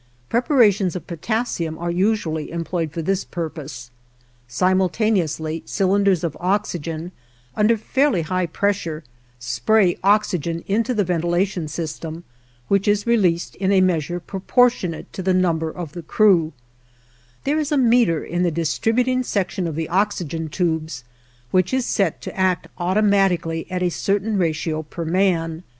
Preparations of potassium are usually employed for this purpose. Simultaneously, cylinders of oxygen, under fairly high pressure, spray oxygen into the ventilation system, which is released in a measure proportionate to the number of the crew; there is a meter in the distributing section of the oxygen tubes, which is set to act automatically at a certain ratio per man.